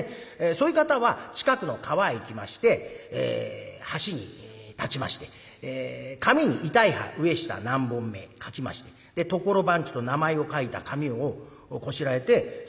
そういう方は近くの川へ行きまして橋に立ちまして紙に痛い歯上下何本目書きまして所番地と名前を書いた紙をこしらえてそこに果物の梨ですね